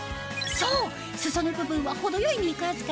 そう！